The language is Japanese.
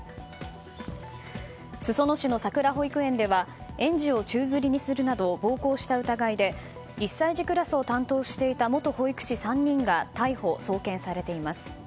裾野市のさくら保育園では園児を宙づりにするなど暴行した疑いで１歳児クラスを担当していた元保育士３人が逮捕・送検されています。